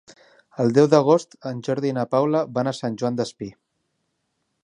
El deu d'agost en Jordi i na Paula van a Sant Joan Despí.